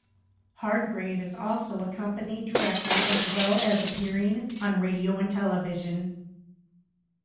Hardgrave is also a company director as well as appearing on radio and television.